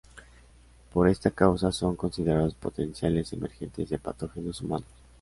Por esta causa son considerados potenciales emergentes de patógenos humanos.